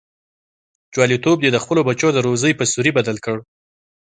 جواليتوب دې د خپلو بچو د روزۍ په سوري بدل کړ.